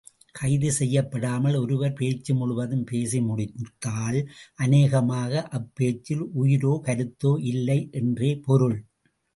கைது செய்யப்படாமல் ஒருவர் பேச்சு முழுவதும் பேசி முடித்தால், அநேகமாக அப்பேச்சில் உயிரோ கருத்தோ இல்லை என்றே பொருள்.